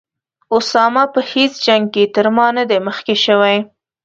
اسامه په هیڅ جنګ کې تر ما نه دی مخکې شوی.